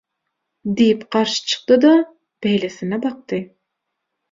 diýip garşy çykdy-da beýlesine bakdy.